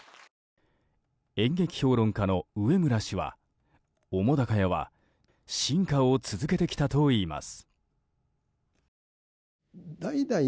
演劇評論家の上村氏は澤瀉屋は進化を続けてきたといいます。